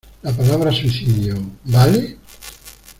la palabra suicidio, ¿ vale?